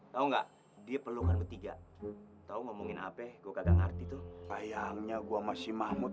tahu nggak di pelukan ketiga tahu ngomongin hp gua kagak ngerti tuh bayangnya gua masih mahmud